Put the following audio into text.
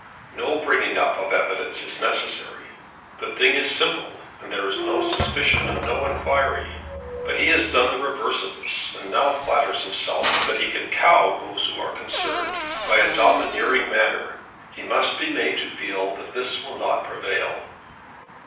No bringing up of evidence is necessary. The thing is simple, and there is no suspicion and no enquiry. But he has done the reverse of this, and now flatters himself that he can cow those who are concerned by a domineering manner. He must be made to feel that this will not prevail."